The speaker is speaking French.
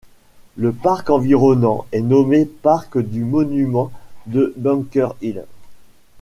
Le parc environnant est nommé parc du monument de Bunker Hill.